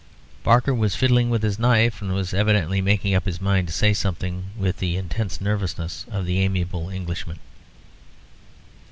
Barker was fiddling with his knife, and was evidently making up his mind to say something, with the intense nervousness of the amiable Englishman.